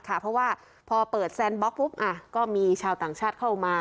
เพราะว่าพอเปิดแซนบล็อก